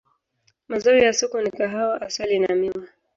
Mazao ya soko ni kahawa, asali na miwa.